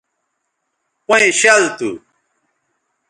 پئیں شَل تھو